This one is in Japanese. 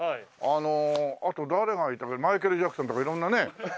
あのあと誰がいたっけマイケル・ジャクソンとか色んなね。